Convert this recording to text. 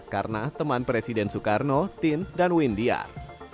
karena teman presiden soekarno tin dan windiar